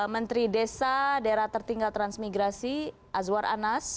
menteri desa daerah tertinggal transmigrasi azwar anas